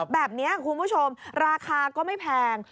แบบนี้คุณผู้ชมราคาก็ไม่แพง